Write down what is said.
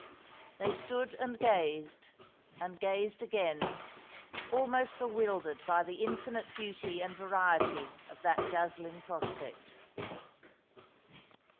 They stood and gazed, and gazed again, almost bewildered by the infinite beauty and variety of that dazzling prospect.